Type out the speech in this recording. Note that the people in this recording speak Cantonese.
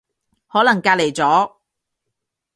可能隔離咗